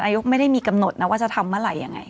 ยกไม่ได้มีกำหนดนะว่าจะทำเมื่อไหร่ยังไง